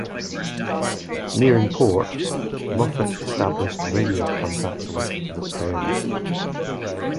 Nearing port, Moffett established radio contact with the "Prairie".